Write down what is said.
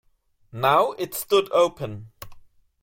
Now it stood open!